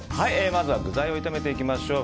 まずは具材を炒めていきます。